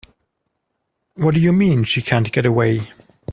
What do you mean she can't get away?